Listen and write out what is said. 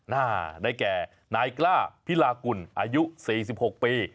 ได้แก่นายกล้าพิลากุลอายุ๔๖ปี